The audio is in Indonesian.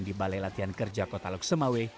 di balai latihan kerja kota loksemawe